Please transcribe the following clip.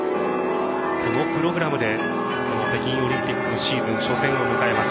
このプログラムでこの北京オリンピックのシーズン初戦を迎えます。